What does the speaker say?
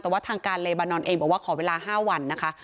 แต่ว่าทางการเลบานอนเองบอกว่าขอเวลา๕วันนะคะ